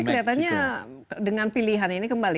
tapi kelihatannya dengan pilihan ini kembali